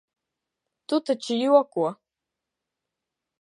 Tu taču joko?